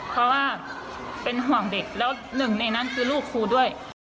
เพราะว่าเป็นห่วงเด็กแล้วหนึ่งในนั้นคือลูกครูด้วย